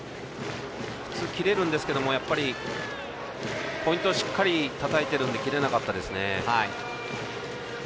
普通切れるんですけどポイントをしっかりたたいているんで切れなかったですね。